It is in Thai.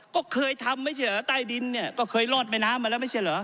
ก็เคยทำหรือไงก็เลยใต้ดินเนี่ยเคยลอดแม่น๊ามาแล้วไม่เชี่ยหรอ